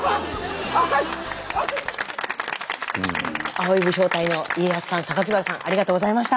「葵」武将隊の家康さん原さんありがとうございました。